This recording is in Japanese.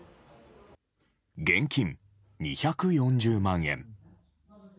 現金２４０万円。